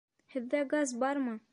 Һеҙҙә газ бармы?